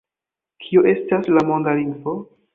Kio estas la monda lingvo?